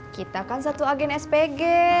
kita kan satu agen spg